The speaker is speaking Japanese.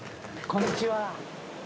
・こんにちは。